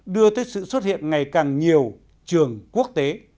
đưa tới sự xuất hiện ngày càng nhiều trường quốc tế